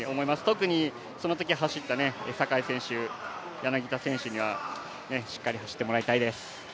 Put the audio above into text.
特にそのとき走った坂井選手、柳田選手にはしっかり走ってもらいたいです。